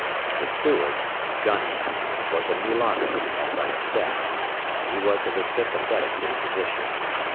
The steward, Gunning, was a mulatto, as I have said, and he was of a sympathetic disposition.